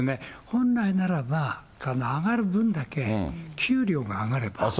本来ならば上がる分だけ給料が上がれば。